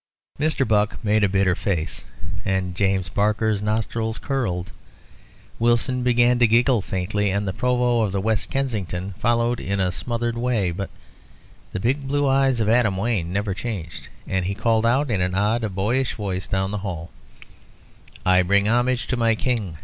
Mr. Buck made a bitter face, and James Barker's nostrils curled; Wilson began to giggle faintly, and the Provost of West Kensington followed in a smothered way. But the big blue eyes of Adam Wayne never changed, and he called out in an odd, boyish voice down the hall "I bring homage to my King.